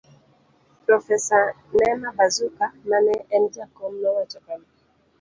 Profesa Nema Bazuka ma ne en jakom nowacho kama: